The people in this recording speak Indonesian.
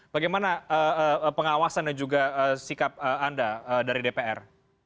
bagaimana pengawasan dan juga sikap anda dari dpr